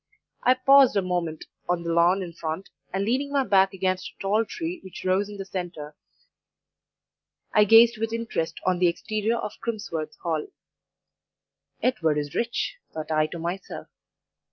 I paused a moment on the lawn in front, and leaning my back against a tall tree which rose in the centre, I gazed with interest on the exterior of Crimsworth Hall. "Edward is rich," thought I to myself.